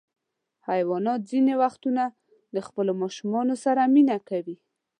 حیوانات ځینې وختونه د خپلو ماشومانو سره مینه کوي.